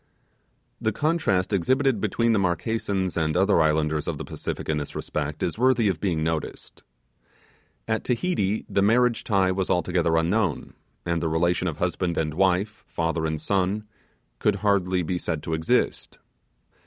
The contrast exhibited between the Marquesas and other islands of the Pacific in this respect, is worthy of being noticed. At Tahiti the marriage tie was altogether unknown; and the relation of husband and wife, father and son, could hardly be said to exist.